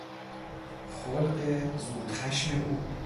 خلق زود خشم او